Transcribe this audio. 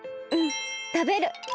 うんたべる！